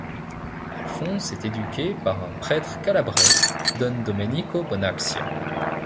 Alphonse est éduqué par un prêtre calabrais, Don Domenico Bonaccia.